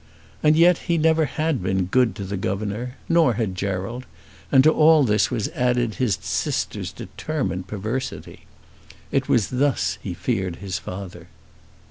And yet he never had been "good to the governor"; nor had Gerald; and to all this was added his sister's determined perversity. It was thus he feared his father.